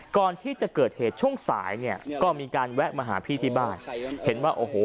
ก่อนที่จะเกิดเหตุช่วงสายเนี่ยก็มีการแวะมาหาพี่ที่บ้านเห็นว่าโอ้โห